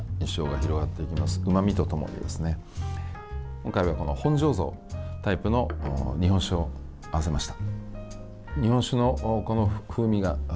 今回は本醸造タイプの日本酒を合わせました。